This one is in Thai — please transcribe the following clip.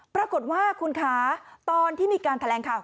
ปรากฏว่าคุณคะตอนที่มีการแถลงข่าว